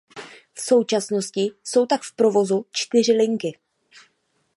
V současnosti jsou tak v provozu čtyři linky.